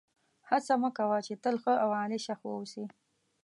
هڅه مه کوه چې تل ښه او عالي شخص واوسې.